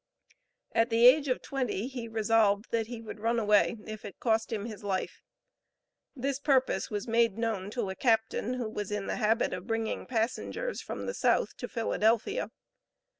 At the age of twenty, he resolved that he would run away if it cost him his life. This purpose was made known to a captain, who was in the habit of bringing passengers from the South to Philadelphia.